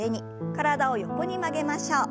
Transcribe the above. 体を横に曲げましょう。